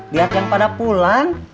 lihat yang pada pulang